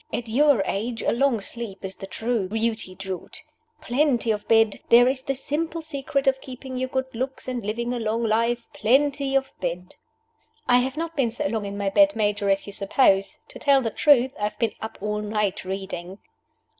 At your age a long sleep is the true beauty draught. Plenty of bed there is the simple secret of keeping your good looks and living a long life plenty of bed!" "I have not been so long in my bed, Major, as you suppose. To tell the truth, I have been up all night, reading."